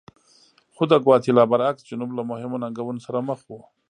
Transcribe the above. خو د ګواتیلا برعکس جنوب له مهمو ننګونو سره مخ و.